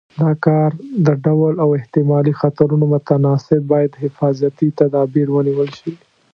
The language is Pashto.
د کار د ډول او احتمالي خطرونو متناسب باید حفاظتي تدابیر ونیول شي.